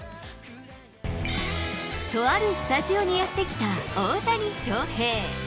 とあるスタジオにやって来た大谷翔平。